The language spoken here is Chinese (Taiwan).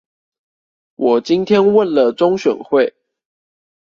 我今天問了中選會